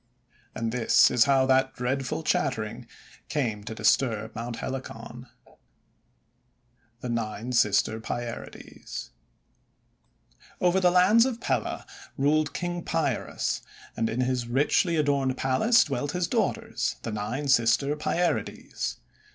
And this is how that dreadful chattering came to disturb Mount Helicon: — THE NINE SISTER PIERIDES OVER the lands of Pella ruled King Pierus, and in his richly adorned palace dwelt his daughters, the Nine Sister Pierides.